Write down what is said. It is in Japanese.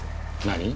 何？